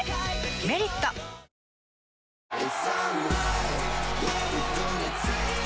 「メリット」お？